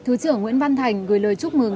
thứ trưởng nguyễn văn thành gửi lời chúc mừng